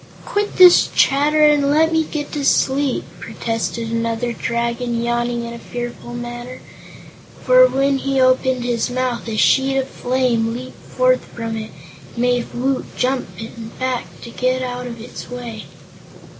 "Quit this chatter and let me get to sleep," protested another Dragon, yawning in a fearful manner, for when he opened his mouth a sheet of flame leaped forth from it and made Woot jump back to get out of its way.